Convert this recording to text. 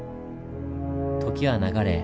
時は流れ